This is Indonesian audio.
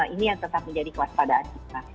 ini yang tetap menjadi kewaspadaan kita